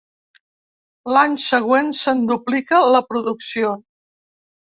L'any següent se'n duplica la producció.